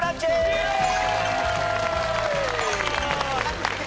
イエーイ！